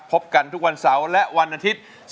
พบกันทุกวันเสาร์และวันอาทิตย์